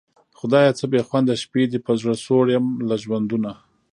خدایه څه بېخونده شپې دي په زړه سوړ یم له ژوندونه